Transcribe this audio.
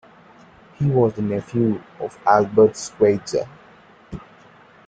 He was the nephew of Albert Schweitzer.